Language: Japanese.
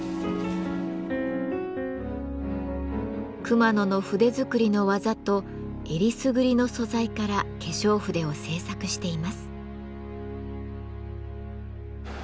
熊野の筆作りの技とえりすぐりの素材から化粧筆を製作しています。